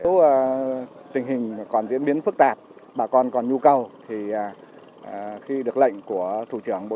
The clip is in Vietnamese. trước tình hình hàng tháng xâm nhập mặn đang diễn ra vô cùng khát nghiệt tại đồng bằng sông cửu long tended dẫn tải sáu trăm năm mươi chín cục hậu cần quân khu một mươi